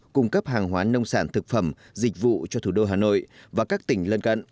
cung cấp hàng hóa nông sản thực phẩm dịch vụ cho thủ đô hà nội và các tỉnh lân cận